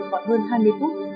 khoảng hơn hai mươi phút